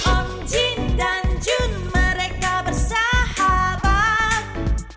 om jin dan jun mereka bersahabat